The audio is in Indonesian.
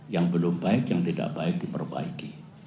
yang belum baik yang tidak baik diperbaiki